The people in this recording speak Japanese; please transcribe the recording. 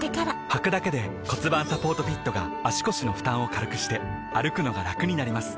はくだけで骨盤サポートフィットが腰の負担を軽くして歩くのがラクになります